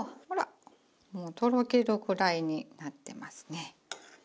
ほらもうとろけるぐらいになってますね。